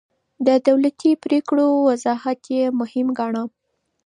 د دولتي پرېکړو وضاحت يې مهم ګاڼه.